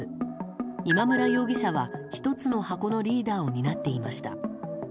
今村容疑者は１つの箱のリーダーを担っていました。